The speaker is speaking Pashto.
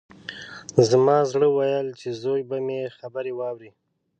زما زړه ويل چې زوی به مې خبرې واوري.